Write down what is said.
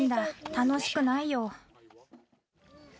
楽しくないよ。